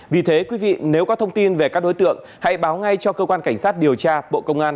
vì thế quý vị nếu có thông tin về các đối tượng hãy báo ngay cho cơ quan cảnh sát điều tra bộ công an